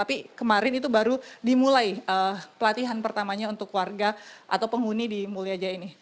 tapi kemarin itu baru dimulai pelatihan pertamanya untuk warga atau penghuni di mulyaja ini